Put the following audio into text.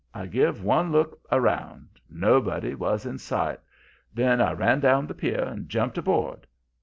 I give one look around. Nobody was in sight. Then I ran down the pier and jumped aboard.